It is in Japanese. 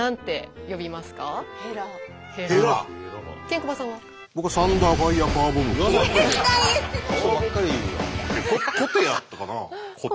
コテやったかな？